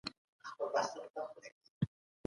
تاسو باید د وطن شتمنۍ ته زیان ونه رسوئ.